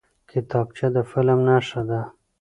کتابچه د نظم نښه ده